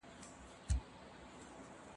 په څېړنه کې د کوم ځانګړي امتیاز هیله مه کوئ.